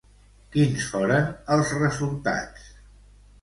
Quins foren els resultats?